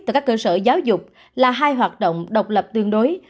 tại các cơ sở giáo dục là hai hoạt động độc lập tương đối